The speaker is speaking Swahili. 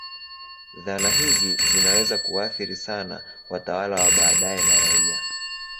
Dhana hizi zinaweza kuathiri sana watawala wa baadaye na raia.